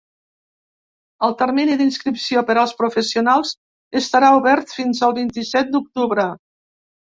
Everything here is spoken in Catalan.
El termini d’inscripció per als professionals estarà obert fins al vint-i-set d’octubre.